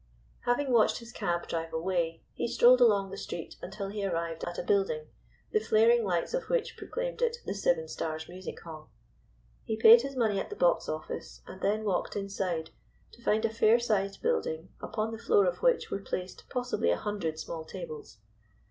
Having watched his cab drive away, he strolled along the street until he arrived at a building, the flaring lights of which proclaimed it the Seven Stars Music Hall. He paid his money at the box office, and then walked inside to find a fair sized building, upon the floor of which were placed possibly a hundred small tables.